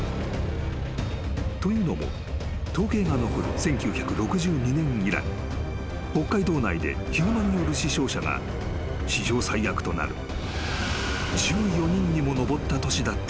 ［というのも統計が残る１９６２年以来北海道内でヒグマによる死傷者が史上最悪となる１４人にも上った年だったからだ］